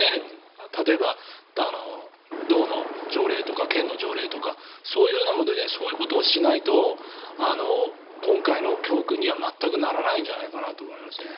例えば、道の条例とか県の条例とかそういうことをしないと今回の教訓には全くならないんじゃないかなと思いますね。